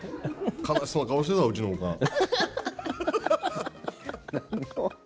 悲しそうな顔してたうちのおかん。